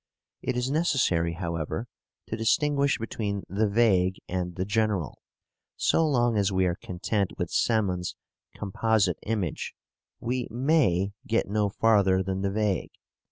It is necessary, however, to distinguish between the vague and the general. So long as we are content with Semon's composite image, we MAY get no farther than the vague.